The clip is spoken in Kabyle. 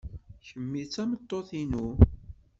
Kemmi d tameṭṭut-inu.